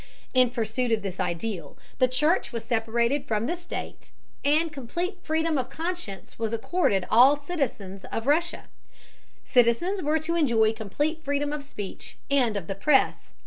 In pursuit of this ideal, the church was separated from the state, and complete freedom of conscience was accorded all citizens of Russia. Citizens were to enjoy complete freedom of speech and of the press.